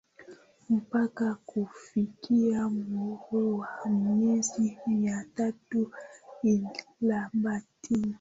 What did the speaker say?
mpaka kufikia umri wa miezi mitatu ilapaitin